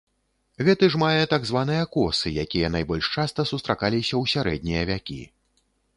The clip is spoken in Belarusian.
Гэты ж мае так званыя косы, якія найбольш часта сустракаліся ў сярэднія вякі.